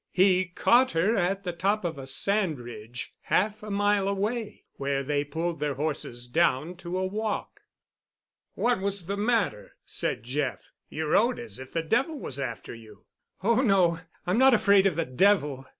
He caught her at the top of a sand ridge half a mile away, where they pulled their horses down to a walk. "What was the matter?" said Jeff. "You rode as if the Devil was after you." "Oh, no—I'm not afraid of the Devil.